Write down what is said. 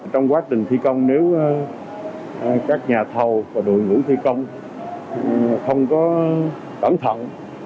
trong quá trình thi công nếu các nhà thầu và đội ngũ thi công không có cẩn thận